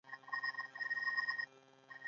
موږ رنګونه څنګه پیژنو؟